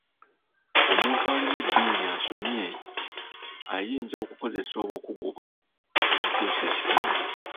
Omuntu alimu edddiini asomye ayinza okukozesa obukugu bwe okukyusa ekitundu.